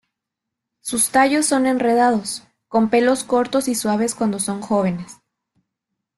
Sus tallos son enredados, con pelos cortos y suaves cuando son jóvenes.